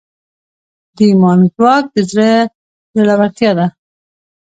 د ایمان ځواک د زړه زړورتیا ده.